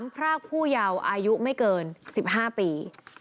พรากผู้เยาว์อายุไม่เกิน๑๕ปี